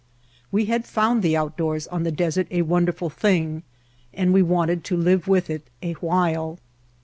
We had found the outdoors on the desert a wonderful thing and we wanted to live with it a while.